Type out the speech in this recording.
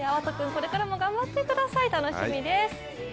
これからも頑張ってください、楽しみです。